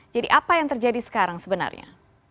jadi apa yang terjadi sekarang sebenarnya